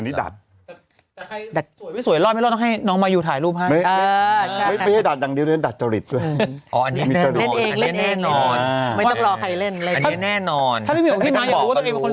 ขนาดเล่นแก้นแน่นอนถ้าว่าคนสวยประมาฆ